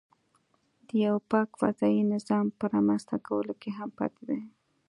د یوه پاک قضایي نظام په رامنځته کولو کې هم پاتې دی.